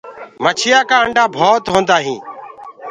مڇيآ ڪآ آنڊآ ڀوت هوندآ هينٚ۔